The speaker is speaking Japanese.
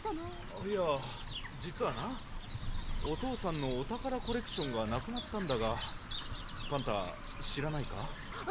ああいやじつはなおとうさんのおたからコレクションがなくなったんだがパンタしらないか？